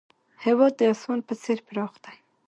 هېواد د اسمان په څېر پراخ دی.